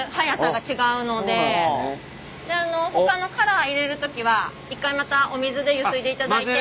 ほかのカラー入れる時は一回またお水でゆすいでいただいて。